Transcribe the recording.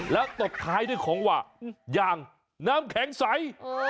แล้วตบท้ายด้วยของหว่าอย่างน้ำแข็งใส